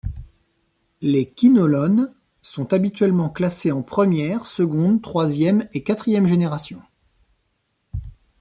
Les quinolones sont habituellement classées en première, seconde, troisième et quatrième génération.